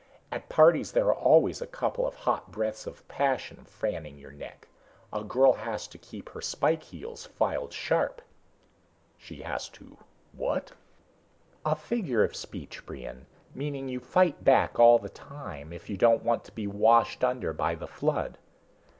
At parties there are always a couple of hot breaths of passion fanning your neck. A girl has to keep her spike heels filed sharp." "She has to what?" "A figure of speech, Brion. Meaning you fight back all the time, if you don't want to be washed under by the flood."